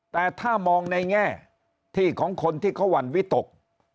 แต่ถ้ามองในแง่ที่ของคนที่เขาหวั่นวิตก